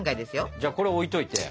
じゃあこれ置いといて。